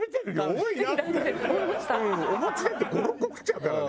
お餅だって５６個食っちゃうからね。